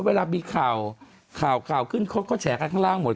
เวลามีข่าวข่าวขึ้นเขาก็แฉกันข้างล่างหมด